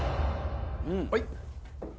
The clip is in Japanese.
はい！